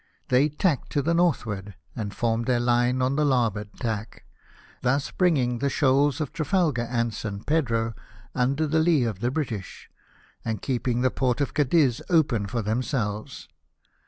They tacked to the northward, and formed their line on the larboard tack ; thus bringing the shoals of Trafalgar and St. Pedro under the lee of the British, and keeping the port of Cadiz open for themselves.